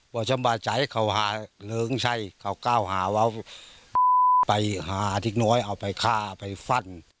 สบายใจเขาหาเริงใช่เขาก้าวหาว่าไปหาเด็กน้อยเอาไปฆ่าไปฟัน